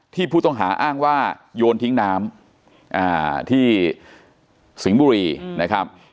ผู้ต้องหาอ้างว่าโยนทิ้งน้ำที่สิงห์บุรีนะครับ